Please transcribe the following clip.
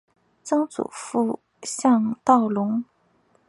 曾祖父向道隆。